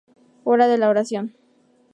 Hora de la oración.